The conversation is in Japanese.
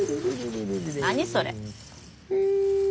何それ。